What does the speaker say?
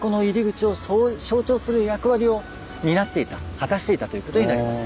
果たしていたということになります。